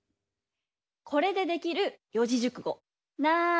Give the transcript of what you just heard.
これでできる四字熟語なんだ？